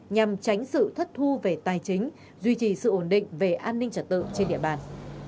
nhằm tránh sự thất thu về tài chính duy trì sự ổn định về an ninh trật tự trên địa bàn